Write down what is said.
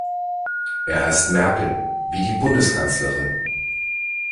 Er heißt Merkel, wie die Bundeskanzlerin.